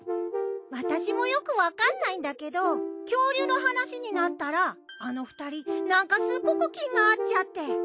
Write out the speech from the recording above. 私もよくわかんないんだけど恐竜の話になったらあの２人なんかすっごく気が合っちゃって。